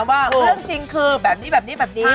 ว่าเพิ่มเชียงคือแบบนี้แบบนี้แบบนี้